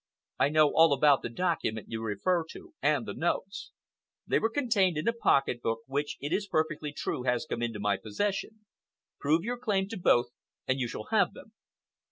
"I know all about the document you refer to, and the notes. They were contained in a pocket book which it is perfectly true has come into my possession. Prove your claim to both and you shall have them."